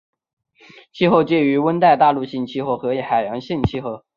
气候介于温带大陆性气候和海洋性气候。